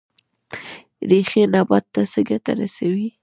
ریښې نبات ته څه ګټه رسوي؟